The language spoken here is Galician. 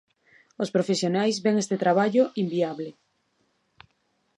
Os profesionais ven este traballo inviable.